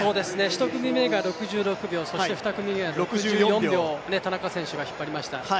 １組目が６６秒、そして２組目は６４秒田中選手が引っ張りました。